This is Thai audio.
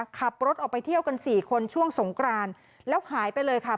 ขับรถออกไปเที่ยวกันสี่คนช่วงสงกรานแล้วหายไปเลยค่ะ